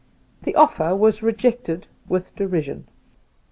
The offer was rejected with derision.